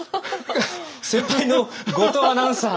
先輩の後藤アナウンサー！